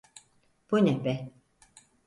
Bu ne be?